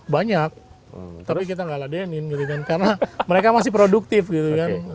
banyak tapi kita nggak ladenin gitu kan karena mereka masih produktif gitu kan